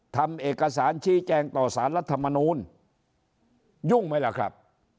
ทำเอกสารชี้แจงต่อสารรัฐมนูลยุ่งไหมล่ะครับ